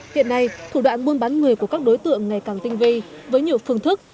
hiện nay thủ đoạn buôn bán người của các đối tượng ngày càng tinh vi với nhiều phương thức